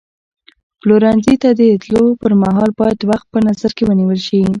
پلورنځي ته د تللو پر مهال باید وخت په نظر کې ونیول شي.